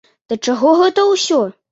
Да чаго гэта ўсё?